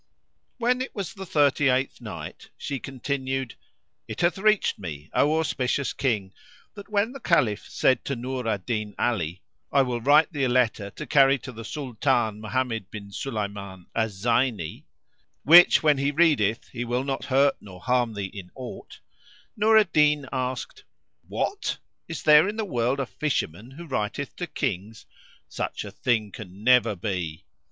When it was the Thirty eighth Night, She continued, It hath reached me, O auspicious King, that when the Caliph said to Nur al Din Ali, "I will write thee a letter to carry to the Sultan Mohammed bin Sulayman al Zayni, which when he readeth, he will not hurt nor harm thee in aught," Nur al Din asked "What! is there in the world a fisherman who writeth to Kings? Such a thing can never be!"